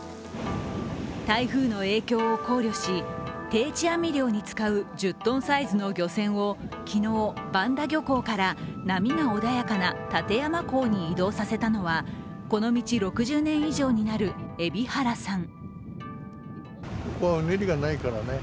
台風の影響を考慮し、定置網漁に使う１０ｔサイズの漁船を昨日、坂田漁港から波が穏やかな館山港に移動させたのは、この道６０年以上になる海老原さん。